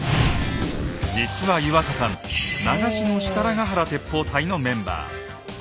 実は湯浅さん「長篠・設楽原鉄砲隊」のメンバー。